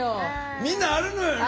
みんなあるのよね。